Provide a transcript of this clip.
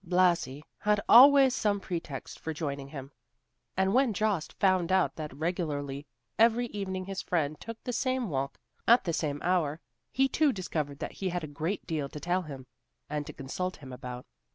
Blasi had always some pretext for joining him, and when Jost found out that regularly every evening his friend took the same walk at the same hour, he too discovered that he had a great deal to tell him, and to consult him about.